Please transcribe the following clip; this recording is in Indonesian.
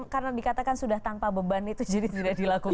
karena dikatakan sudah tanpa beban itu jadi tidak dilakukan